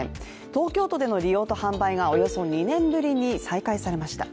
東京都での利用と販売がおよそ２年ぶりに再開されました。